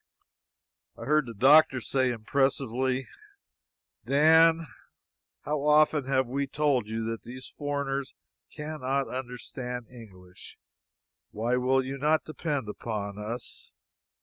I heard the doctor say impressively: "Dan, how often have we told you that these foreigners cannot understand English? Why will you not depend upon us?